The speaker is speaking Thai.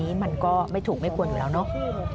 สวัสดีครับ